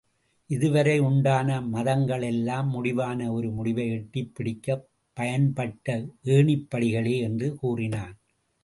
இதுவரை உண்டான மதங்களெல்லாம், முடிவான ஒரு முடிவை எட்டிப் பிடிக்கப் பயன்பட்ட ஏணிப்படிகளே என்று கூறினான்.